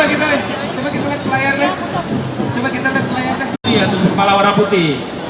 ini ya itu kepala warah putih